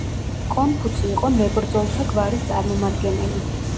კონფუცი იყო მებრძოლთა გვარის წარმომადგენელი.